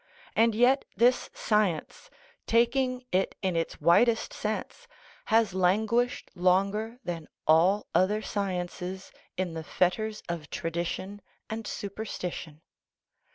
And yet this science taking it in its widest sense has languished longer than all other sciences in the fetters of tradition and superstition.